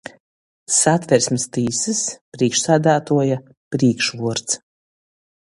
Satversmis tīsys prīšksādātuoja prīškvuords.